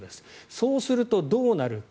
そうするとどうなるか。